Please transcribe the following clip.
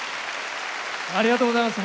ありがとうございます。